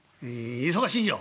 「忙しいよ」。